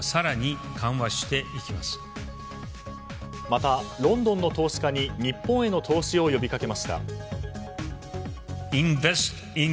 また、ロンドンの投資家に日本への投資を呼びかけました。